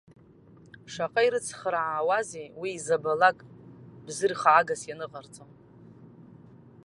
Шаҟа ирыцҳаузеи уи изабалак бзы-рхаагас ианыҟарҵо.